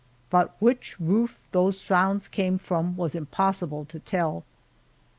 But which roof those sounds came from was impossible to tell.